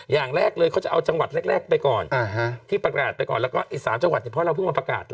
อย่างแรกเลยเขาจะเอาจังหวัดแรกไปก่อนและก็อีก๓จังหวัดเพราะเราก็พิมพ์มาประกาศ